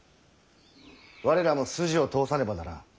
我らも筋を通さねばならん。